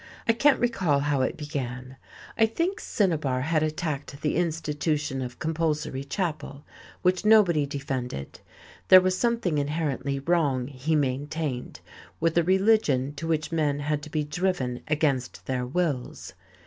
I can't recall how it began; I think Cinibar had attacked the institution of compulsory chapel, which nobody defended; there was something inherently wrong, he maintained, with a religion to which men had to be driven against their wills.